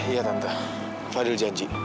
iya tante fadil janji